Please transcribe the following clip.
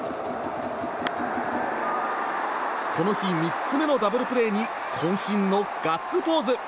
この日３つ目のダブルプレーに渾身のガッツポーズ！